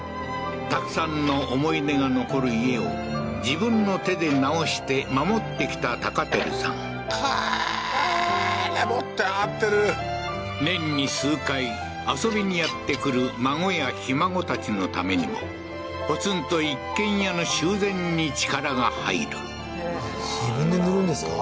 たくさんの思い出が残る家を自分の手で直して守ってきた孝照さんカーッ持って上がってる年に数回遊びにやってくる孫やひ孫たちのためにもポツンと一軒家の修繕に力が入る自分で塗るんですか？